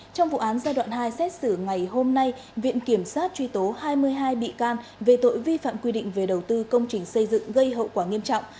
trong vụ án giai đoạn hai xét xử ngày hôm nay viện kiểm sát truy tố hai mươi hai bị can về tội vi phạm quy định về đầu tư công trình xây dựng gây hậu quả nghiêm trọng